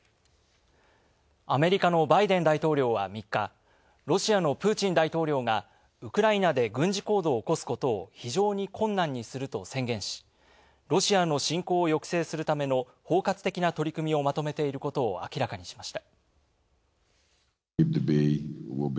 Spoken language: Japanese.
アメリカのバイデン大統領は３日ロシアのプーチン大統領がウクライナで軍事行動を起こすことを「非常に困難」にすると宣言し、ロシアの侵攻を抑制するための包括的な取り組みをまとめていることを明らかにしました。